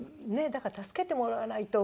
だから助けてもらわないと。